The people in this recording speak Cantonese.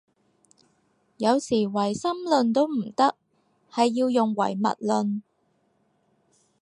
有時唯心論都唔得，係要用唯物論